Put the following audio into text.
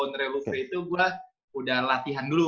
ownernya louvre itu gue udah latihan dulu